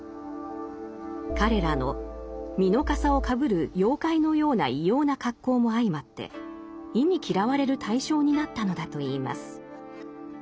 彼らの「蓑笠をかぶる妖怪のような異様な恰好」も相まって忌み嫌われる対象になったのだといいます。